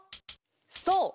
そう！